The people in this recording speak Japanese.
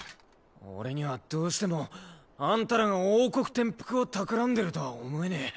俺にはどうしてもあんたらが王国転覆を企んでるとは思えねぇ。